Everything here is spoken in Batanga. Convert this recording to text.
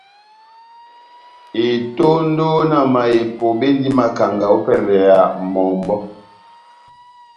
Etondo na mahepo bendi makanga ópɛlɛ ya mɔmbɔ́.